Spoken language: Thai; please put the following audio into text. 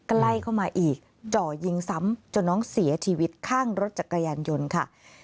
ใกล้เข้ามาอีกจ่อยิงซ้ำจนน้องเสียชีวิตข้างรถจักรยานยนต์ค่ะ